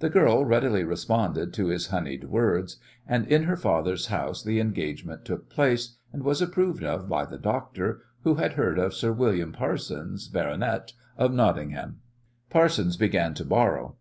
The girl readily responded to his honeyed words, and in her father's house the engagement took place, and was approved of by the doctor, who had heard of Sir William Parsons, Bart., of Nottingham. Parsons began to borrow.